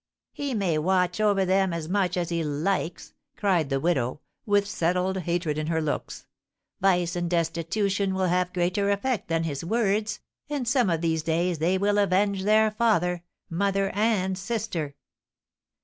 "He may watch over them as much as he likes," cried the widow, with settled hatred in her looks, "vice and destitution will have greater effect than his words, and some of these days they will avenge their father, mother, and sister!"